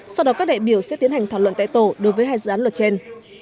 sau đó các đại biểu sẽ tiến hành thảo luận tại tổ đối với hai dự án luật trên